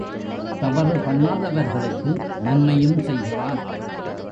தவறு பண்ணாதவர்களுக்கு நன்மையும் செய்கிறான்.